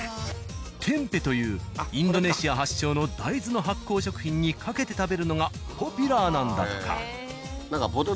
テンペというインドネシア発祥の大豆の発酵食品にかけて食べるのがポピュラーなんだとか。